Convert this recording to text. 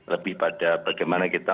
lebih pada bagaimana kita